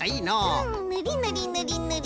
うんぬりぬりぬりぬり。